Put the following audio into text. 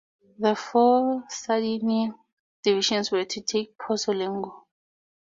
The four Sardinian divisions were to take Pozzolengo.